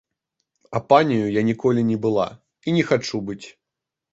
А паняю я ніколі не была і не хачу быць.